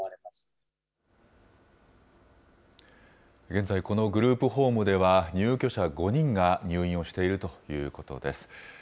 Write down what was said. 現在、このグループホームでは、入居者５人が入院をしているということです。